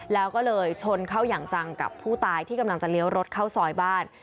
แล้วก็เลยชนเข้าอย่างจังกับผู้ตายที่กำลังจะเลี้ยวรถเข้าซอยบ้าน